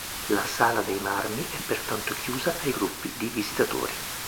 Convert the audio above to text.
La Sala dei marmi è pertanto chiusa ai gruppi di visitatori.